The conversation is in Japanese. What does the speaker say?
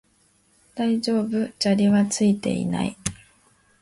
大丈夫、砂利はついていない